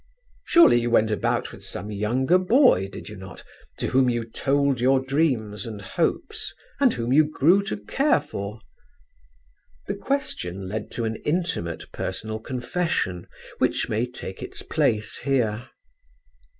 "Surely you went about with some younger boy, did you not, to whom you told your dreams and hopes, and whom you grew to care for?" The question led to an intimate personal confession, which may take its place here.